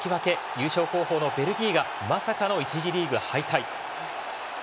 優勝候補のベルギーがまさかの１次リーグ敗退。